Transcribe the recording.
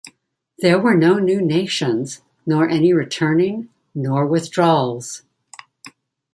There were no new nations, nor any returning, nor withdrawals.